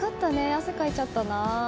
汗かいちゃったな。